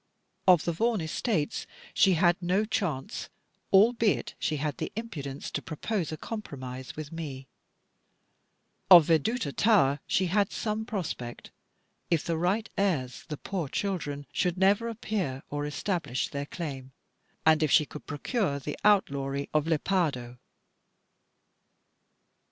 Of the Vaughan estates she had no chance albeit she had the impudence to propose a compromise with me of Veduta tower she had some prospect, if the right heirs, the poor children, should never appear, or establish their claim, and if she could procure the outlawry of Lepardo.